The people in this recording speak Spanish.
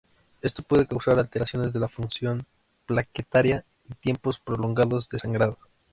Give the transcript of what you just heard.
Esto puede causar alteración de la función plaquetaria y tiempos prolongados de sangrado.